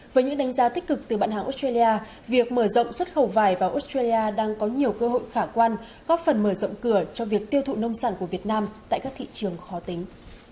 với những đánh giá tích cực từ bạn hàng australia việc mở rộng xuất khẩu vải vào australia đang có nhiều cơ hội khả quan góp phần mở rộng cửa cho việc tiêu thụ nông sản của việt nam tại các thị trường khó tính